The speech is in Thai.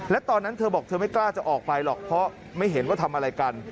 และตอนนั้นเธอบอกเธอไม่กล้าจะออกไปหรอกเพราะไม่เห็นว่าทำอะไรกัน